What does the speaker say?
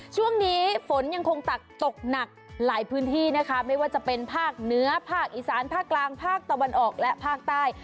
ช่วงนี้ฝนยังคงตักตกหนักหลายพื้นที่นะคะไม่ว่าจะเป็นภาคเหนือภาคอีสานภาคกลางภาคตะวันออกและภาคใต้